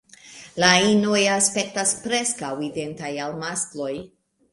La inoj aspektas preskaŭ identaj al maskloj.